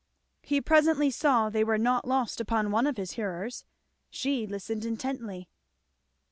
He presently saw they were not lost upon one of his hearers; she listened intently.